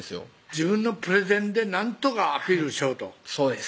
自分のプレゼンでなんとかアピールしようとそうです